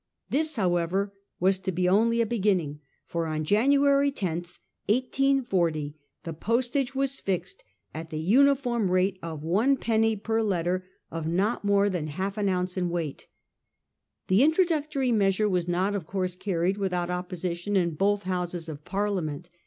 This, however, was to be only a beginning ; for on January 10, 1840, the postage was fixed at the uni ' form rate of one penny per letter of not more than VOL. I. H 98 A HISTORY OF OUK OWN TIMES. CH. XT. half an ounce in weight. The introductory measure was not, of course, carried without opposition in both Houses of Parliament.